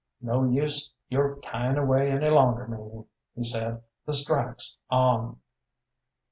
"No use you tying away any longer, Mamie," he said. "The strike's on."